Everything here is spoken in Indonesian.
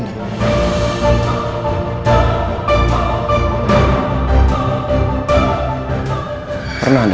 anda akan membuat makam palsunya nindi